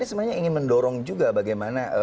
sebenarnya ingin mendorong juga bagaimana